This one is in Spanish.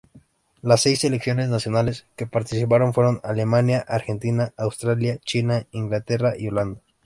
Las seis selecciones nacionales que participaron fueron Alemania, Argentina, Australia, China, Inglaterra y Holanda.